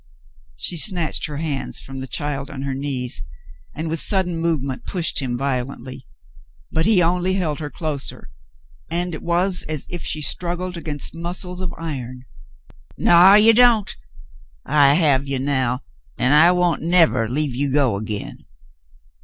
She snatched her hands from the child on her knees, and, with sudden movement, pushed him violently ; but he only held her closer, and it was as if she struggled against mus cles of iron. "Naw, you don't ! I have you now, an' I won't nevah leave you go again."